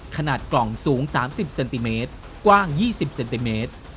ขนาดกล่องสูง๓๐เซนติเมตรกว้าง๒๐เซนติเมตร